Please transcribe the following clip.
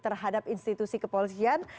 terhadap institusi kepolisian